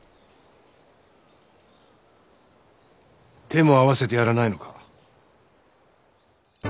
手も合わせてやらないのか？